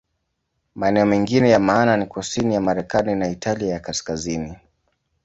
Maeneo mengine ya maana ni kusini ya Marekani na Italia ya Kaskazini.